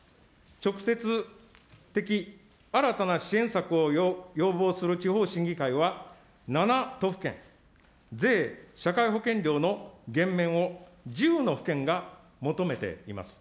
直接的、新たな支援策を要望する地方審議会は、７都府県、税・社会保険料の減免を１０の府県が求めています。